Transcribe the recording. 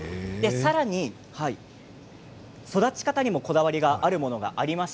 さらに育ち方にもこだわりがあるものがあります。